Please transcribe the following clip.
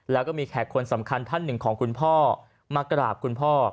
แล้วก็มีแขกคนสำคัญท่านหนึ่งของคุณพ่อมากราบคุณพ่อ